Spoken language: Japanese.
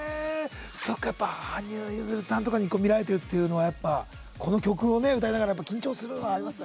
羽生結弦さんとかに見られてるっていうのはこの曲を歌うのは緊張するのはありますか？